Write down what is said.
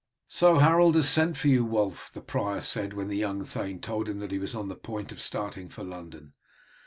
"So Harold has sent for you, Wulf?" the prior said, when the young thane told him that he was on the point of starting for London.